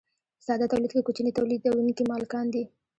په ساده تولید کې کوچني تولیدونکي مالکان دي.